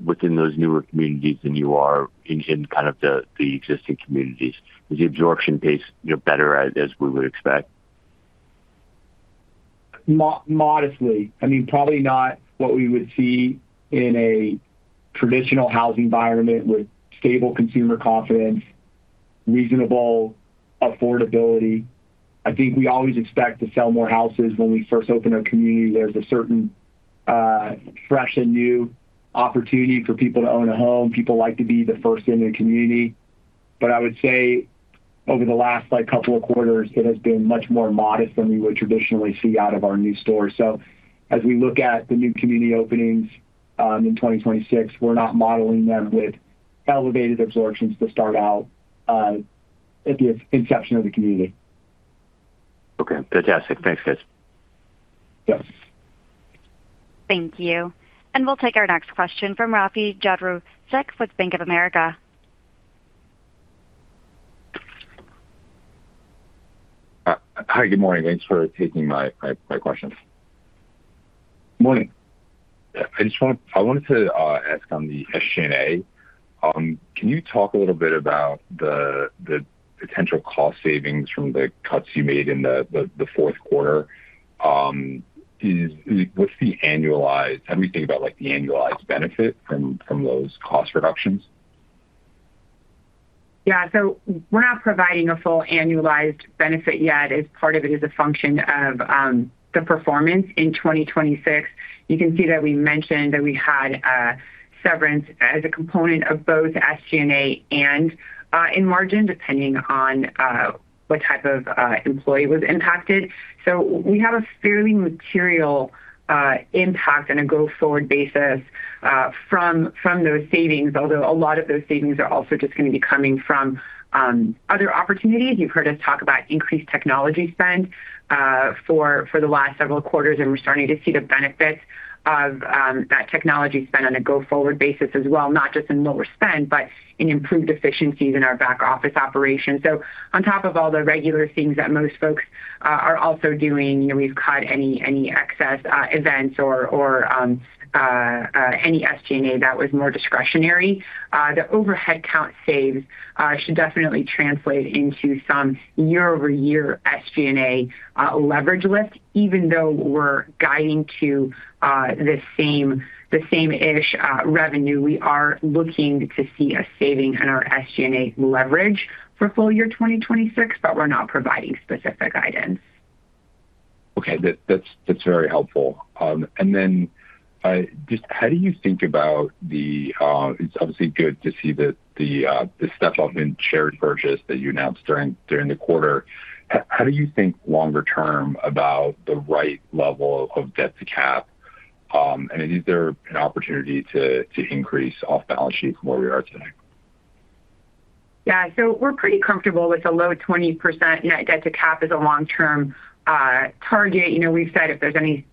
within those newer communities than you are in kind of the existing communities. Is the absorption pace better as we would expect? Modestly. I mean, probably not what we would see in a traditional housing environment with stable consumer confidence, reasonable affordability. I think we always expect to sell more houses when we first open our community. There's a certain fresh and new opportunity for people to own a home. People like to be the first in the community. But I would say over the last couple of quarters, it has been much more modest than we would traditionally see out of our new stores. So as we look at the new community openings in 2026, we're not modeling them with elevated absorptions to start out at the inception of the community. Okay. Fantastic. Thanks, guys. Thank you. And we'll take our next question from Rafe Jadrosich with Bank of America. Hi, good morning. Thanks for taking my question. Morning. I just wanted to ask on the SG&A. Can you talk a little bit about the potential cost savings from the cuts you made in the fourth quarter? What's the annualized? How do we think about the annualized benefit from those cost reductions? Yeah. So we're not providing a full annualized benefit yet. Part of it is a function of the performance in 2026. You can see that we mentioned that we had severance as a component of both SG&A and in margin, depending on what type of employee was impacted. So we have a fairly material impact on a go-forward basis from those savings, although a lot of those savings are also just going to be coming from other opportunities. You've heard us talk about increased technology spend for the last several quarters, and we're starting to see the benefits of that technology spend on a go-forward basis as well, not just in lower spend, but in improved efficiencies in our back office operations. So on top of all the regular things that most folks are also doing, we've cut any excess events or any SG&A that was more discretionary. The overhead count saves should definitely translate into some year-over-year SG&A leverage lift. Even though we're guiding to the same-ish revenue, we are looking to see a saving in our SG&A leverage for full year 2026, but we're not providing specific guidance. Okay. That's very helpful. And then just how do you think about the, it's obviously good to see the step-up in share repurchase that you announced during the quarter. How do you think longer term about the right level of debt to cap? And is there an opportunity to increase off-balance sheet from where we are today? Yeah. So we're pretty comfortable with a low 20% net debt to cap as a long-term target. We've said if there's anything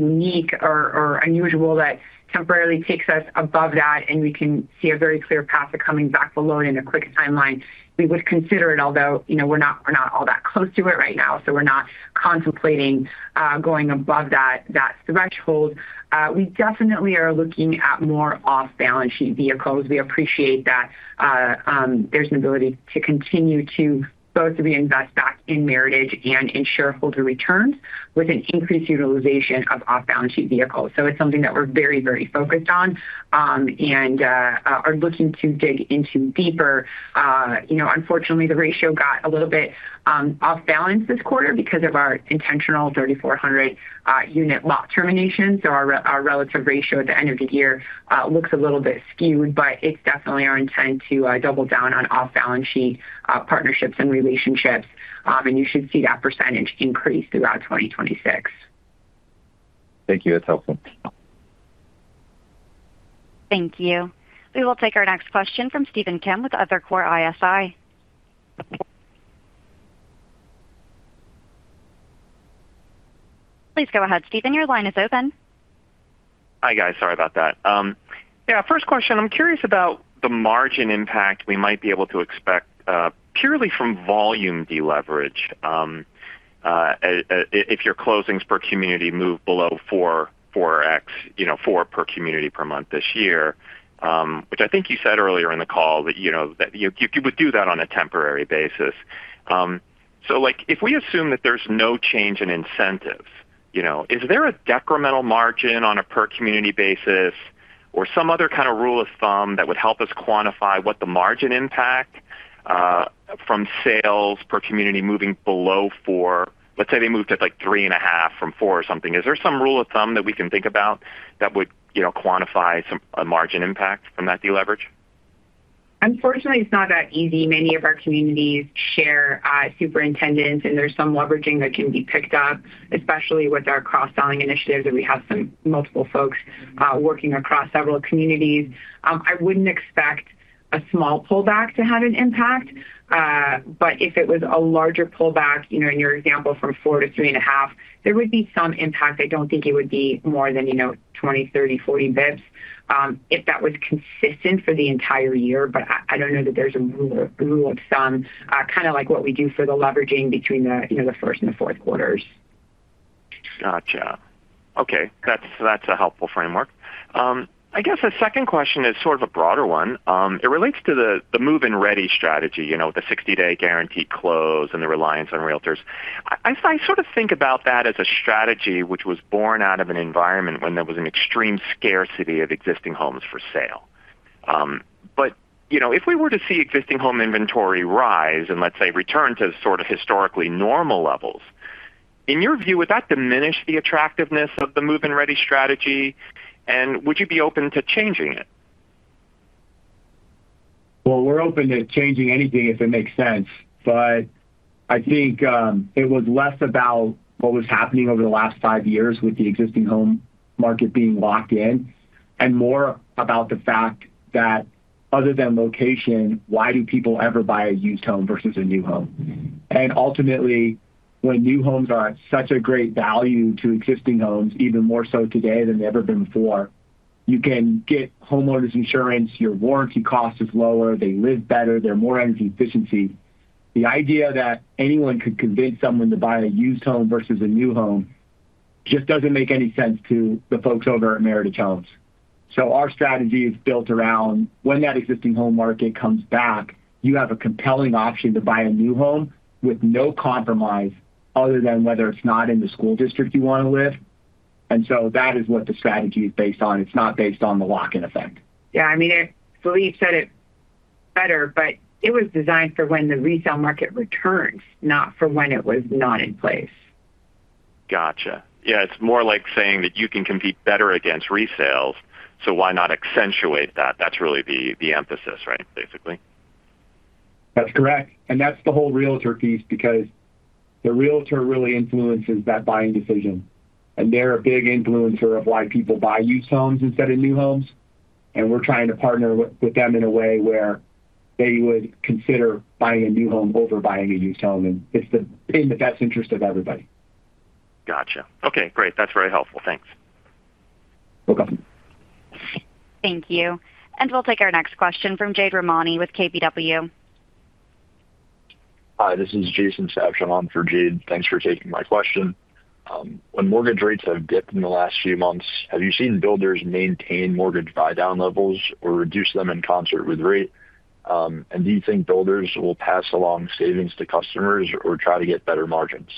unique or unusual that temporarily takes us above that and we can see a very clear path of coming back below it in a quick timeline, we would consider it, although we're not all that close to it right now. So we're not contemplating going above that threshold. We definitely are looking at more off-balance sheet vehicles. We appreciate that there's an ability to continue to both reinvest back in Meritage and in shareholder returns with an increased utilization of off-balance sheet vehicles. So it's something that we're very, very focused on and are looking to dig into deeper. Unfortunately, the ratio got a little bit off-balance this quarter because of our intentional 3,400 unit lot termination. So our relative ratio at the end of the year looks a little bit skewed, but it's definitely our intent to double down on off-balance sheet partnerships and relationships. And you should see that percentage increase throughout 2026. Thank you. That's helpful. Thank you. We will take our next question from Stephen Kim with Evercore ISI. Please go ahead, Stephen. Your line is open. Hi, guys. Sorry about that. Yeah. First question. I'm curious about the margin impact we might be able to expect purely from volume deleverage if your closings per community move below 4 per community per month this year, which I think you said earlier in the call that you would do that on a temporary basis. So if we assume that there's no change in incentives, is there a decremental margin on a per-community basis or some other kind of rule of thumb that would help us quantify what the margin impact from sales per community moving below 4? Let's say they moved at like 3.5 from 4 or something. Is there some rule of thumb that we can think about that would quantify a margin impact from that deleverage? Unfortunately, it's not that easy. Many of our communities share superintendents, and there's some leveraging that can be picked up, especially with our cross-selling initiatives that we have some multiple folks working across several communities. I wouldn't expect a small pullback to have an impact. But if it was a larger pullback, in your example from 4 to 3.5, there would be some impact. I don't think it would be more than 20, 30, 40 basis points if that was consistent for the entire year. But I don't know that there's a rule of thumb, kind of like what we do for the leveraging between the first and the fourth quarters. Gotcha. Okay. That's a helpful framework. I guess the second question is sort of a broader one. It relates to the move-in ready strategy, the 60-day guaranteed close and the reliance on realtors. I sort of think about that as a strategy which was born out of an environment when there was an extreme scarcity of existing homes for sale. But if we were to see existing home inventory rise and, let's say, return to sort of historically normal levels, in your view, would that diminish the attractiveness of the Move-In Ready strategy? And would you be open to changing it? Well, we're open to changing anything if it makes sense. But I think it was less about what was happening over the last five years with the existing home market being locked in and more about the fact that other than location, why do people ever buy a used home versus a new home? Ultimately, when new homes are at such a great value to existing homes, even more so today than they ever been before, you can get homeowners insurance, your warranty cost is lower, they live better, they're more energy efficiency. The idea that anyone could convince someone to buy a used home versus a new home just doesn't make any sense to the folks over at Meritage Homes. So our strategy is built around when that existing home market comes back, you have a compelling option to buy a new home with no compromise other than whether it's not in the school district you want to live. And so that is what the strategy is based on. It's not based on the lock-in effect. Yeah. I mean, I believe Steve said it better, but it was designed for when the resale market returns, not for when it was not in place. Gotcha. Yeah. It's more like saying that you can compete better against resales. So why not accentuate that? That's really the emphasis, right, basically? That's correct. And that's the whole realtor piece because the realtor really influences that buying decision. And they're a big influencer of why people buy used homes instead of new homes. And we're trying to partner with them in a way where they would consider buying a new home over buying a used home. And it's in the best interest of everybody. Gotcha. Okay. Great. That's very helpful. Thanks. Thank you. And we'll take our next question from Jade Rahmani with KBW. Hi. This is Jason Sabshon for Jade. Thanks for taking my question. When mortgage rates have dipped in the last few months, have you seen builders maintain mortgage buy-down levels or reduce them in concert with rate? Do you think builders will pass along savings to customers or try to get better margins?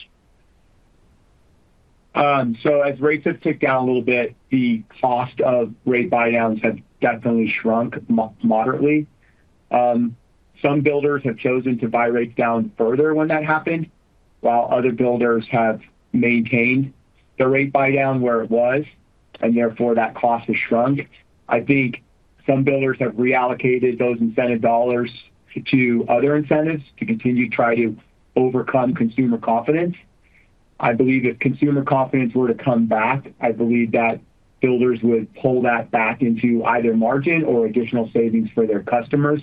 So as rates have ticked down a little bit, the cost of rate buy-downs have definitely shrunk moderately. Some builders have chosen to buy rates down further when that happened, while other builders have maintained the rate buy-down where it was, and therefore that cost has shrunk. I think some builders have reallocated those incentive dollars to other incentives to continue to try to overcome consumer confidence. I believe if consumer confidence were to come back, I believe that builders would pull that back into either margin or additional savings for their customers,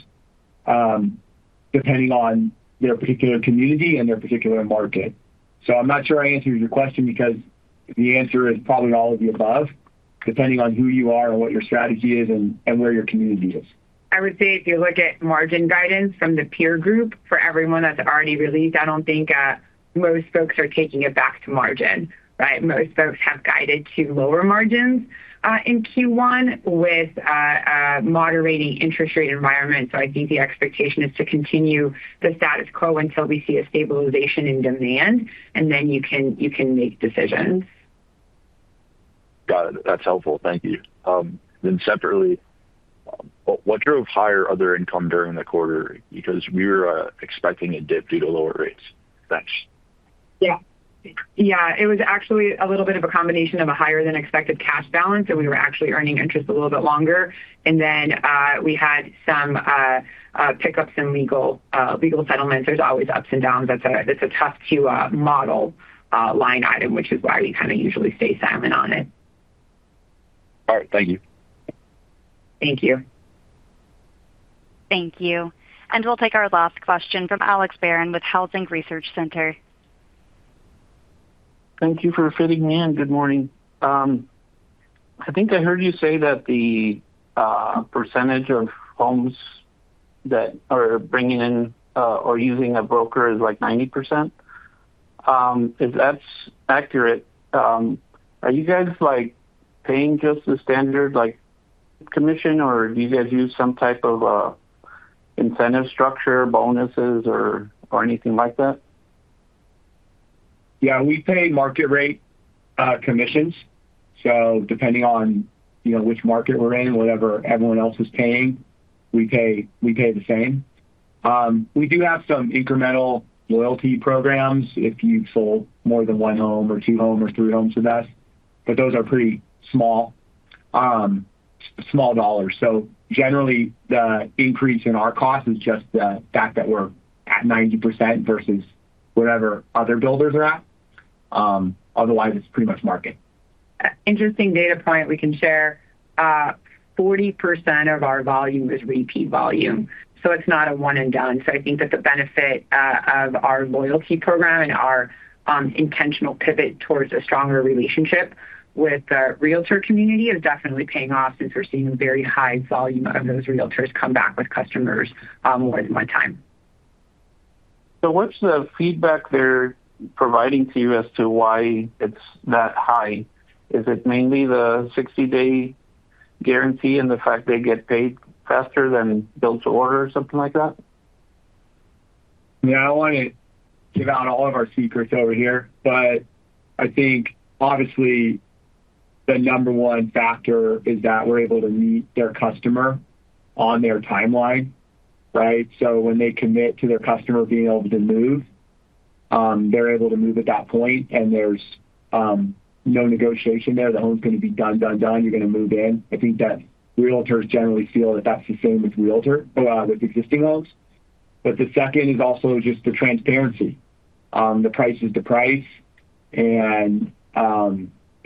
depending on their particular community and their particular market. So I'm not sure I answered your question because the answer is probably all of the above, depending on who you are and what your strategy is and where your community is. I would say if you look at margin guidance from the peer group for everyone that's already released, I don't think most folks are taking it back to margin, right? Most folks have guided to lower margins in Q1 with a moderating interest rate environment. So I think the expectation is to continue the status quo until we see a stabilization in demand, and then you can make decisions. Got it. That's helpful. Thank you. Then separately, what drove higher other income during the quarter? Because we were expecting a dip due to lower rates. Thanks. Yeah. Yeah. It was actually a little bit of a combination of a higher-than-expected cash balance, and we were actually earning interest a little bit longer. And then we had some pickups in legal settlements. There's always ups and downs. It's a tough-to-model line item, which is why we kind of usually stay silent on it. All right. Thank you. Thank you. Thank you. And we'll take our last question from Alex Barron with Housing Research Center. Thank you for fitting me in. Good morning. I think I heard you say that the percentage of homes that are bringing in or using a broker is like 90%. If that's accurate, are you guys paying just the standard commission, or do you guys use some type of incentive structure, bonuses, or anything like that? Yeah. We pay market-rate commissions. So depending on which market we're in, whatever everyone else is paying, we pay the same. We do have some incremental loyalty programs if you've sold more than one home or two homes or three homes with us, but those are pretty small dollars. So generally, the increase in our cost is just the fact that we're at 90% versus whatever other builders are at. Otherwise, it's pretty much market. Interesting data point we can share. 40% of our volume is repeat volume. So it's not a one-and-done. So I think that the benefit of our loyalty program and our intentional pivot towards a stronger relationship with the realtor community is definitely paying off since we're seeing a very high volume of those realtors come back with customers more than one time. So what's the feedback they're providing to you as to why it's that high? Is it mainly the 60-day guarantee and the fact they get paid faster than build-to-order or something like that? Yeah. I want to give out all of our secrets over here, but I think, obviously, the number one factor is that we're able to meet their customer on their timeline, right? So when they commit to their customer being able to move, they're able to move at that point, and there's no negotiation there. The home's going to be done, done, done. You're going to move in. I think that realtors generally feel that that's the same with existing homes. But the second is also just the transparency. The price is the price, and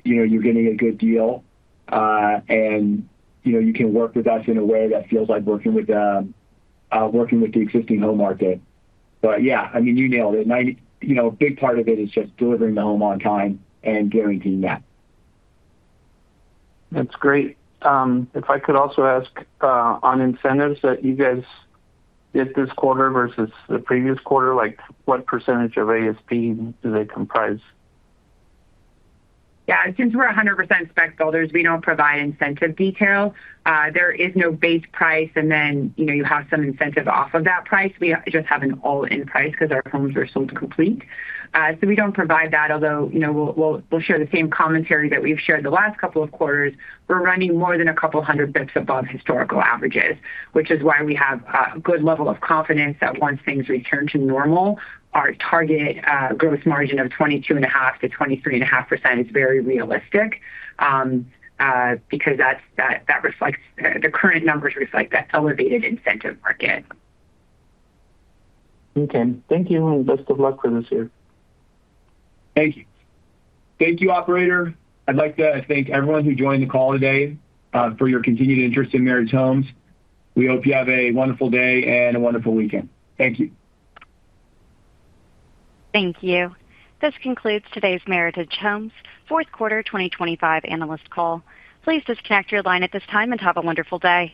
you're getting a good deal, and you can work with us in a way that feels like working with the existing home market. But yeah, I mean, you nailed it. A big part of it is just delivering the home on time and guaranteeing that. That's great. If I could also ask on incentives that you guys did this quarter versus the previous quarter, what percentage of ASP do they comprise? Yeah. Since we're 100% spec builders, we don't provide incentive detail. There is no base price, and then you have some incentive off of that price. We just have an all-in price because our homes are sold complete. So we don't provide that, although we'll share the same commentary that we've shared the last couple of quarters. We're running more than a couple hundred basis points above historical averages, which is why we have a good level of confidence that once things return to normal, our target gross margin of 22.5%-23.5% is very realistic because the current numbers reflect that elevated incentive market. Okay. Thank you, and best of luck for this year. Thank you. Thank you, operator. I'd like to thank everyone who joined the call today for your continued interest in Meritage Homes. We hope you have a wonderful day and a wonderful weekend. Thank you. Thank you. This concludes today's Meritage Homes Fourth Quarter 2025 Analyst Call. Please disconnect your line at this time and have a wonderful day.